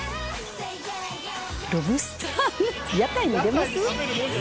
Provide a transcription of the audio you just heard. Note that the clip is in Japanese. ロブスターなんて屋台に出ます？